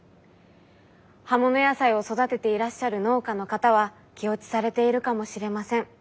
葉物野菜を育てていらっしゃる農家の方は気落ちされているかもしれません。